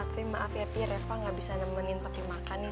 tapi maaf ya pi reva gak bisa nemenin tapi makan nih